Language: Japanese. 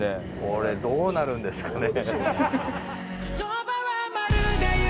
これどうなるんですかね？